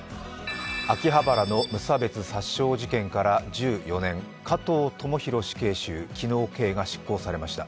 秋葉原の無差別殺傷事件から１４年、加藤智大死刑囚、昨日、刑が執行されました。